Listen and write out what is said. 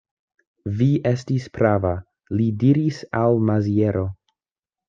Vi estis prava, li diris al Maziero.